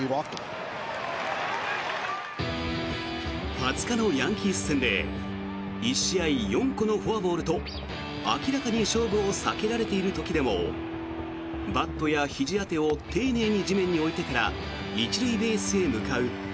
２０日のヤンキース戦で１試合４個のフォアボールと明らかに勝負を避けられている時でもバットやひじ当てを丁寧に地面に置いてから１塁ベースへ向かう。